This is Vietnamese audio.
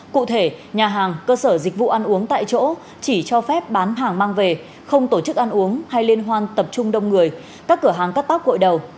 cụ thể nhà hàng cơ sở dịch vụ ăn uống tại chỗ chỉ cho phép bán hàng mang về không tổ chức ăn uống hay liên hoan tập trung đông người các cửa hàng cắt tóc gội đầu